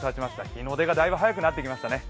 日の出がだいぶ早くなってきましたね。